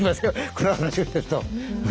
この話をしてると。